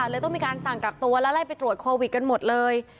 เลยต้องมีการสั่งกักตัวและไล่ไปตรวจโควิดกันหมดเลย